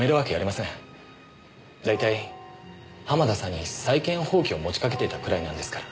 大体濱田さんに債権放棄を持ちかけていたくらいなんですから。